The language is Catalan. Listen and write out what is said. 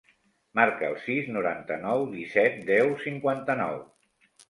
Marca el sis, noranta-nou, disset, deu, cinquanta-nou.